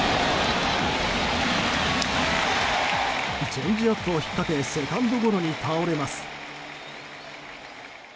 チェンジアップを引っかけセカンドゴロに倒れます。